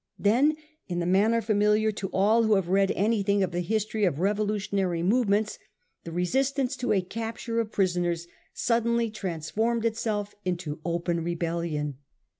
Then, in the manner familiar to all who have read anything of the history of re volutionary movements, the resistance to a capture of prisoners suddenly transformed itself into open rebellion.